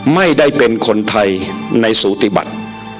ไม่ได้เป็นคนไทยในสูติบัติ